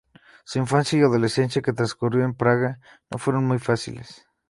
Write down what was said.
Su infancia y adolescencia, que transcurrieron en Praga, no fueron muy felices.